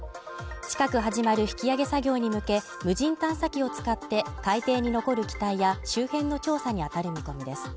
近く始まる引き揚げ作業に向け無人探査機を使って海底に残る機体や周辺の調査に当たる見込みです。